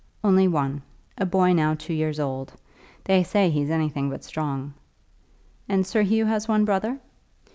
"Only one, a boy now two years old. They say he's anything but strong." "And Sir Hugh has one brother."